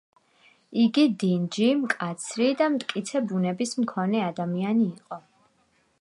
იგი დინჯი, მკაცრი და მტკიცე ბუნების მქონე ადამიანი იყო.